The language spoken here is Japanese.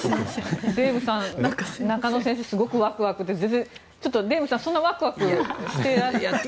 デーブさん中野先生はすごくワクワクでデーブさんそんなにワクワクして。